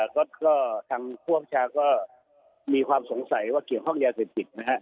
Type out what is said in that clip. ก็ทางผู้อำชาก็มีความสงสัยว่าเกี่ยวข้องยาเสพติดนะฮะ